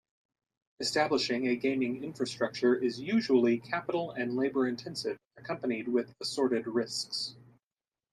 Establishing a gaming infrastructure is usually capital and labor-intensive accompanied with assorted risks.